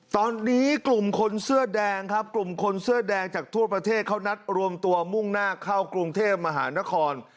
ตอนนี้กลุ่มคนเสื้อแดงครับกลุ่มคนเสื้อแดงจากทั่วประเทศเขานัดรวมตัวมุ่งหน้าเข้ากรุงเทพมหานคร